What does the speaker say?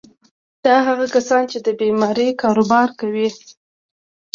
دا هغه کسان دي چې د بيمې کاروبار کوي.